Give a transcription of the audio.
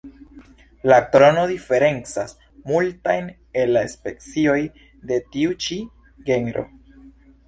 La krono diferencas multajn el la specioj de tiu ĉi genro.